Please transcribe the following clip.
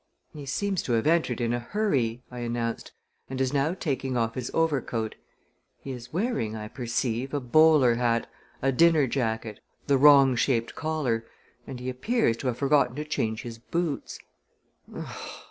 "He seems to have entered in a hurry," I announced, "and is now taking off his overcoat. He is wearing, I perceive, a bowler hat, a dinner jacket, the wrong shaped collar; and he appears to have forgotten to change his boots."